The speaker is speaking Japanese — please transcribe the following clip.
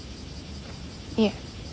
いえ。